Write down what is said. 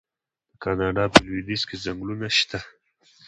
د کاناډا په لویدیځ کې ځنګلونه شته.